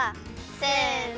せの。